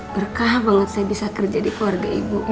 berkah banget saya bisa kerja di keluarga ibu